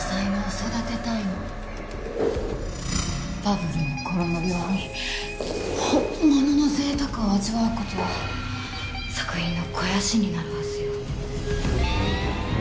バブルの頃のように本物の贅沢を味わう事は作品の肥やしになるはずよ。